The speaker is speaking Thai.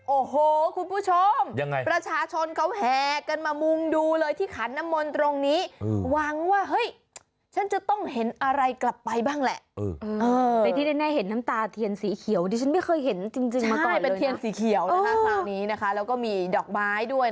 โอ้โหคุณผู้ชมประชาชนเขาแหกกันมามุมดูเลยที่ขานมนต์ตรงนี้หวังว่าเฮ้ยฉันจะต้องเห็นอะไรกลับไปบ้างแหละ